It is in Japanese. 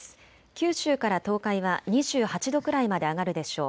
九州から東海は２８度くらいまで上がるでしょう。